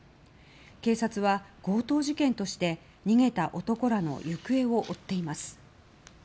警察は強盗事件として逃げた男らの行方を追っています。